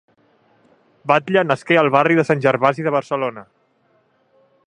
Batlle nasqué al barri de Sant Gervasi de Barcelona.